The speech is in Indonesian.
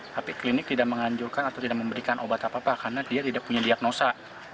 tapi klinik tidak menganjurkan atau tidak memberikan obat apa apa karena dia tidak punya diagnosa